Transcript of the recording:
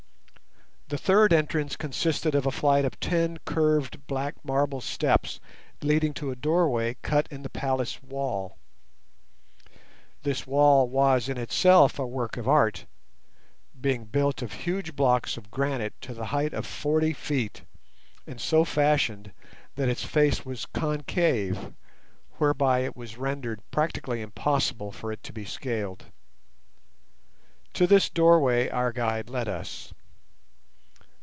The third entrance consisted of a flight of ten curved black marble steps leading to a doorway cut in the palace wall. This wall was in itself a work of art, being built of huge blocks of granite to the height of forty feet, and so fashioned that its face was concave, whereby it was rendered practically impossible for it to be scaled. To this doorway our guide led us.